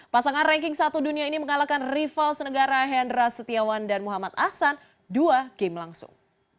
pasangan ranking satu dunia ini mengalahkan rival senegara hendra setiawan dan muhammad ahsan dua game langsung